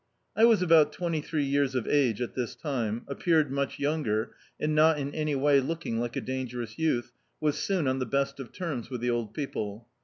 I was about twenty three years of age at this time, appeared much younger and not in any way looking like a dangerous youth, was soon on the best of terms with the old people.